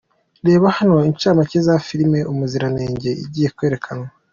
Reba hano incamake za filime Umuziranenge igiye kwerekanwa.